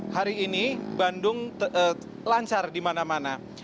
hari ini bandung lancar di mana mana